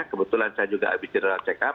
kebetulan saya juga habis jadwal check up